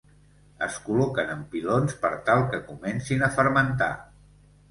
Es col·loquen en pilons per tal que comencin a fermentar.